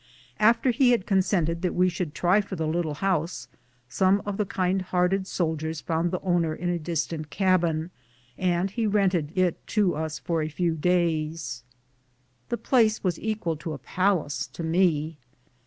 Af ter he had consented that we should try for the little house, some of the kind hearted soldiers found the own er in a distant cabin, and he rented it to us for a few days. The place was equal to a palace to me.